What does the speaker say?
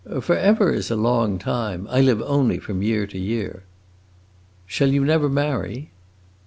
"'Forever' is a long time. I live only from year to year." "Shall you never marry?"